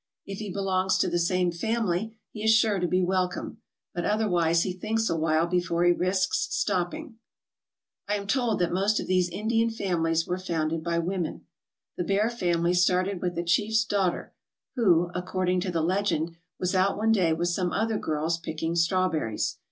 If he belongs to the same family he is sure to be welcome, but otherwise he thinks awhile before he risks stopping. I am tgld that most of these Indian families were founded by women. The Bear family started with a chiefs daughter, who, according to the legend, was out one day with some other girls picking strawberries.